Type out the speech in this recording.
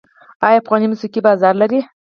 آیا افغاني موسیقي بازار لري؟